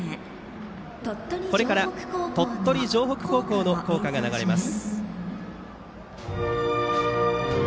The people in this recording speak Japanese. これから鳥取城北高校の校歌が流れます。